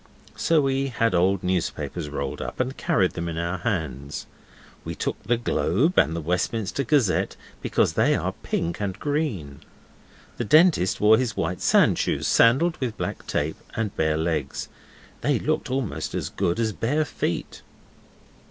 So we had old newspapers rolled up, and carried them in our hands. We took the Globe and the Westminster Gazette because they are pink and green. The Dentist wore his white sandshoes, sandalled with black tape, and bare legs. They really looked almost as good as bare feet.